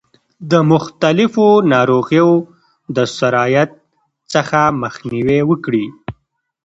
د مختلفو ناروغیو د سرایت څخه مخنیوی وکړي.